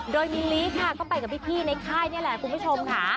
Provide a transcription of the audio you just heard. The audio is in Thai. โดยมิลลิค่ะก็ไปกับพี่ในค่ายนี่แหละคุณผู้ชมค่ะ